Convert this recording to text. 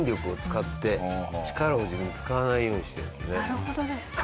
なるほどですね。